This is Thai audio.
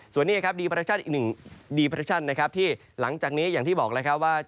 ส่วนเนี้ยครับอีกหนึ่งนะครับที่หลังจากนี้อย่างที่บอกเลยครับว่า